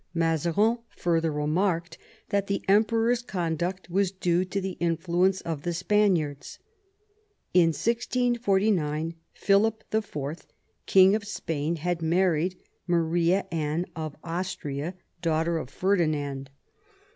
Mazarin further remarked that the Emperor's conduct was due to the influence of the Spaniards. In 1649 Phih'r^ IV., King of Spain, had married Maria Anna..:.'! Austria, daughter of Ferdinand.